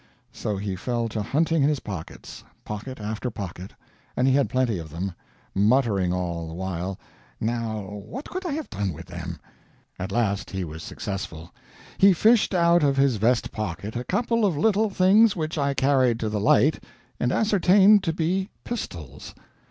So he fell to hunting in his pockets pocket after pocket, and he had plenty of them muttering all the while, "Now, what could I have done with them?" At last he was successful. He fished out of his vest pocket a couple of little things which I carried to the light and ascertained to be pistols.